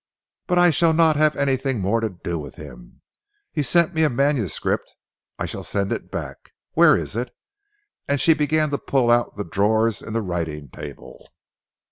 But I shall not have anything more to do with him. He sent me a manuscript. I shall send it back. Where is it? and she began to pull out the drawers in the writing table.